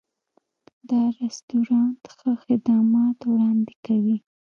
دا رستورانت ښه خدمات وړاندې کوي.